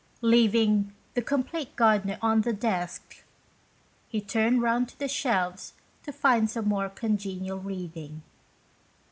Leaving "The Compleat Gard'ner" on the desk, he turned round to the shelves to find some more congenial reading.